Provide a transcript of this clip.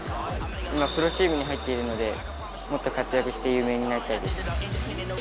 今プロチームに入っているのでもっと活躍して有名になりたいです。